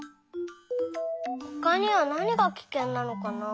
ほかにはなにがキケンなのかな？